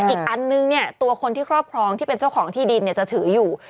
อีกอันนึงเนี่ยตัวคนที่ครอบครองที่เป็นเจ้าของที่ดินจะถืออยู่